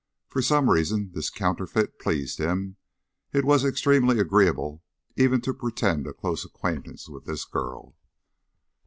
For some reason this counterfeit pleased him; it was extremely agreeable even to pretend a close acquaintance with this girl.